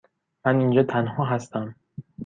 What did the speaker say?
من اینجا تنها هستم.